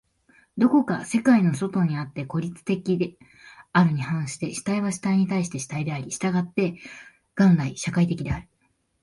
どこか世界の外にあって孤立的であるに反して、主体は主体に対して主体であり、従って元来社会的である。